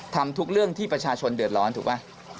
ทำทุกเรื่องที่ประชาชนเดือดร้อนถูกป่ะ